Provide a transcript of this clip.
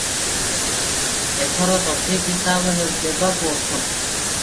ଏଥର ସଠିକ ହିସାବ ଦେବାକୁ ଅକ୍ଷମ ।